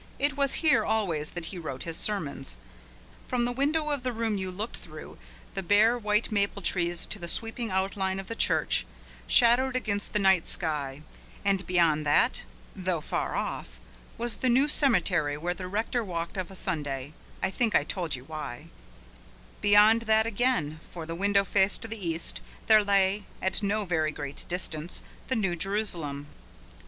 It was here always that he wrote his sermons. From the window of the room you looked through the bare white maple trees to the sweeping outline of the church shadowed against the night sky, and beyond that, though far off, was the new cemetery where the rector walked of a Sunday (I think I told you why): beyond that again, for the window faced the east, there lay, at no very great distance, the New Jerusalem.